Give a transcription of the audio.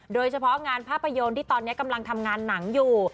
โดยเฉพาะงานภาพยนตร์ที่ตอนนี้กำลังทำงานหนังอยู่